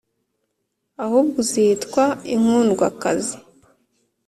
ahubwo uzitwa «inkundwakazi»,